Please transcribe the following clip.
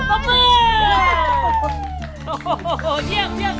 เข้าไปมือ